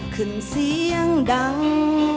ขึ้นเสียงดัง